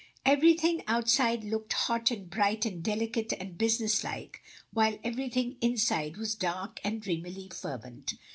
Everything outside looked hot and bright and delicate and business like, while every thing inside was dark and dreamily fervent.